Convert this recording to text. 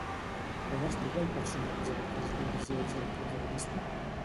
Com es diu el personatge a qui es dirigeix el protagonista?